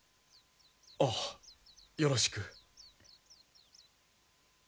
あよろしく。